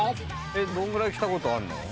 どんぐらい来たことあんの？